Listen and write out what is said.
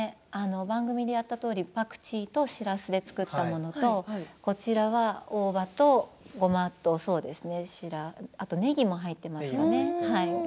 番組でやったとおりパクチーとしらすで作ったものと大葉とごまとあとねぎも入っていますね。